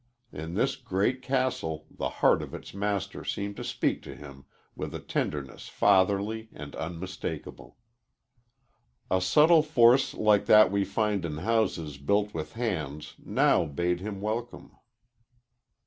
In this great castle the heart of its Master seemed to speak to him with a tenderness fatherly and unmistakable. A subtle force like that we find in houses built with hands now bade him welcome.